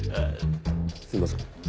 すいません。